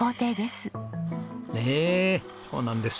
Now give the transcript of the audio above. ねえそうなんです。